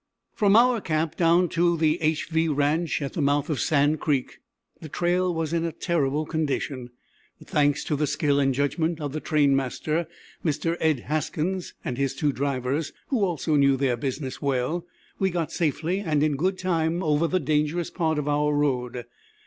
From our camp down to the =HV= ranch, at the mouth of Sand Creek, the trail was in a terrible condition. But, thanks to the skill and judgment of the train master, Mr. Ed. Haskins, and his two drivers, who also knew their business well, we got safely and in good time over the dangerous part of our road.